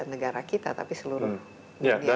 negara kita tapi seluruh dunia